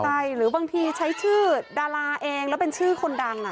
ใช่หรือบางทีใช้ชื่อดาราเองแล้วเป็นชื่อคนดัง